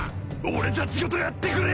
俺たちごとやってくれ。